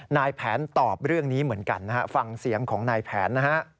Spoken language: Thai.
นายแผนตอบเรื่องนี้เหมือนกันนะฮะฟังเสียงของนายแผนนะฮะ